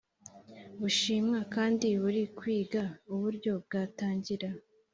Bushinwa kandi buri kwiga uburyo bwatangira